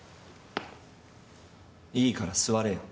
いいから座れよ。